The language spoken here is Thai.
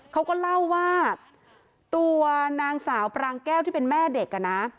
เขาก็เล่าว่าตัวนางสาวปรางแก้วที่เป็นแม่เด็กอ่ะนะ